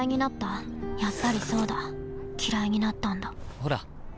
ほら。